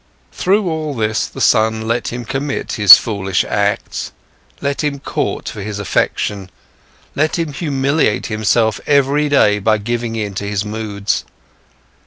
Through all this, the son let him commit his foolish acts, let him court for his affection, let him humiliate himself every day by giving in to his moods.